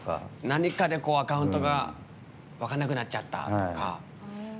何かで、アカウントが分からなくなっちゃったとか。